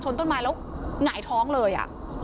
ต้นไม้แล้วหงายท้องเลย